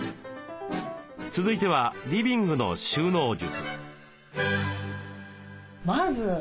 続いてはリビングの収納術。